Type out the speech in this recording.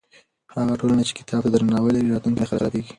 هغه ټولنه چې کتاب ته درناوی لري، راتلونکی یې نه خرابېږي.